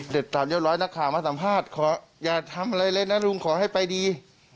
เดี๋ยวตามเยี่ยวร้อยนะคะมาสัมภาษณ์อย่าทำอะไรเล่นนะลุงขอให้ไปดี